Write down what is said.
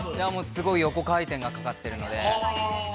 すごい横回転がかかってるので。